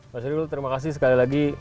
mas herul terima kasih sekali lagi